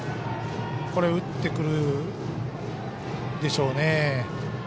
打ってくるでしょうね。